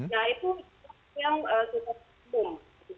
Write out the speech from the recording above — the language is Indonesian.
nah itu yang super boom